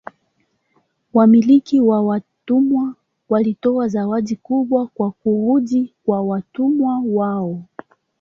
Wamiliki wa watumwa walitoa zawadi kubwa kwa kurudi kwa watumwa wao.